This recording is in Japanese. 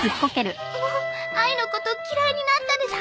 もうあいのこと嫌いになったでしょ。